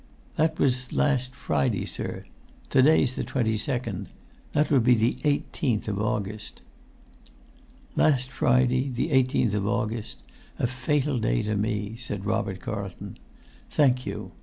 "That was last Friday, sir—to day's the 22nd—that would be the 18th of August." "Last Friday, the 18th of August; a fatal day to me!" said Robert Carlton. "Thank you.